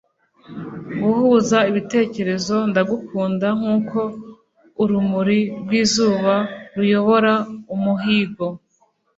Guhuza ibitekerezo Ndagukunda nkuko urumuri rwizuba ruyobora umuhigo